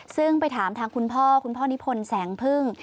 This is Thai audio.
ซึ่งไปถามทางคุณพ่อคุณพ่อนิพนธ์แสงพึ่ง